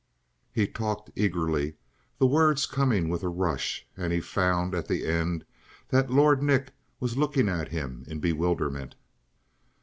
He had talked eagerly, the words coming with a rush, and he found at the end that Lord Nick was looking at him in bewilderment.